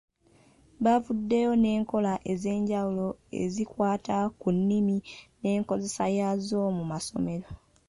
Bavuddeyo n’enkola ez’enjawulo ezikwata ku nnimi n’enkozesa yaazo mu masomero.